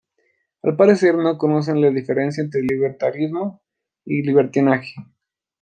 Al parecer, no conocen la diferencia entre libertarismo y libertinaje".